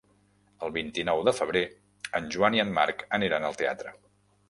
El vint-i-nou de febrer en Joan i en Marc aniran al teatre.